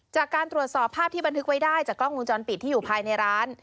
จากการตรวจสอบภาพที่บันทึกไว้ได้จากกล้องวงจรปิดที่อยู่ภายในร้าน